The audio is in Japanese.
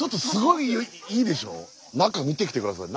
中見てきて下さい。